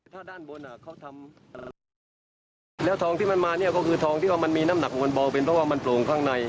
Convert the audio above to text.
ถ้าด้านบนเขาทำแล้วทองที่มันมาเนี่ยก็คือทองที่ว่ามันมีน้ำหนักของมันเบาเป็นเพราะว่ามันโปร่งข้างใน